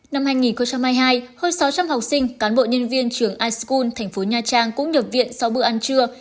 năm hai nghìn hai mươi hai hơn sáu trăm linh học sinh cán bộ nhân viên trường iskool thành phố nha trang cũng nhập viện sau bữa ăn trưa